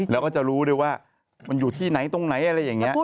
แล้วก็จะรู้ด้วยว่ามันอยู่ที่ไหนตรงไหนอะไรอย่างนี้